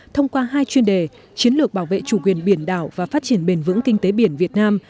thông qua hai chuyên đề chiến lược bảo vệ chủ quyền biển đảo và phát triển bền vững kinh tế biển việt nam